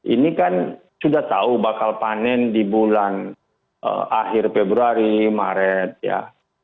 ini kan sudah tahu bakal panen di bulan akhir februari maret ya